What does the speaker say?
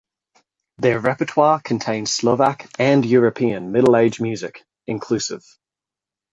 Their repertoire contains Slovak and European middle age music, incl.